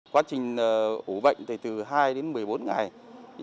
quá trình ủ bệnh thì từ hai đến một mươi bốn ngày